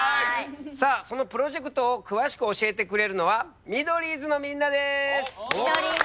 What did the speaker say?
さあそのプロジェクトを詳しく教えてくれるのはミドリーズのみんなです。